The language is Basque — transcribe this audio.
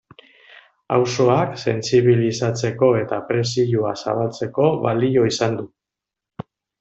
Auzoak sentsibilizatzeko eta presioa zabaltzeko balio izan du.